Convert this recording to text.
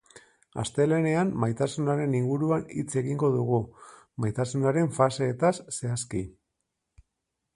Astelehenean maitasunaren inguruan hitz egingo dugu, maitasunaren faseetaz zehazki.